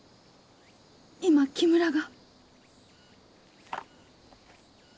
今木村が。